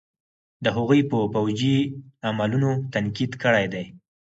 د هغوئ په فوجي عملونو تنقيد کړے دے.